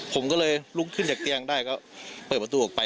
ผมก็เลยลุกขึ้นจากเตียงได้ก็เปิดประตูออกไป